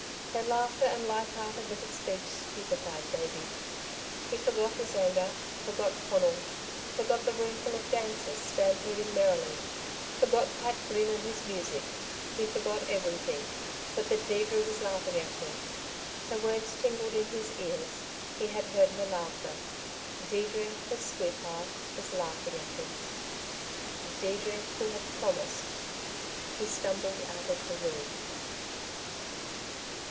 Her laughter and light hearted little speech stupefied Davey. He forgot his anger, forgot Conal, forgot the roomful of dancers stampeding merrily, forgot Pat Glynn and his music. He forgot everything, but that Deirdre was laughing at him. Her words tingled in his ears; he had heard her laughter Deirdre, his sweetheart, was laughing at him Deirdre who had promised He stumbled out of the room.